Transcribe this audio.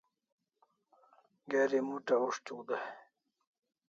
Geri mut'a ushti aw